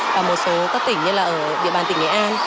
và một số các tỉnh như là ở địa bàn tỉnh nghệ an